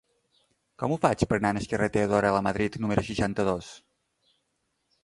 Com ho faig per anar al carrer de Teodora Lamadrid número seixanta-dos?